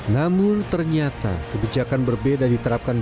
namun ternyata kebijakan berbeda diterapkan